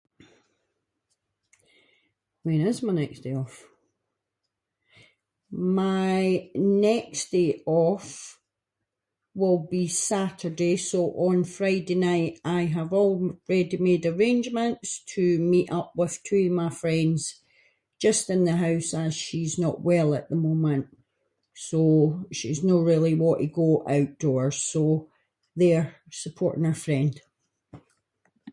When is my next day off? My next day off will be Saturday, so on Friday night I have already made arrangements to meet up with two of my friends, just in the house as she’s not well at the moment, so she’s no really want to go outdoors at the moment, so there supporting our friend.